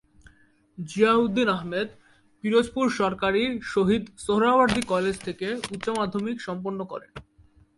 জিয়াউদ্দিন আহমেদ পিরোজপুর সরকারী শহীদ সোহরাওয়ার্দী কলেজ থেকে উচ্চমাধ্যমিক সম্পন্ন করেন।